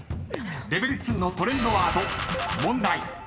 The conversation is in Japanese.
［ＬＥＶＥＬ．２のトレンドワード問題］